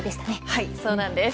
はい、そうなんです。